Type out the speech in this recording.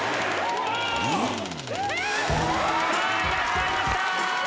いらっしゃいました！